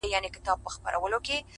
• ته د ژوند له تنهایی څخه ډارېږې ,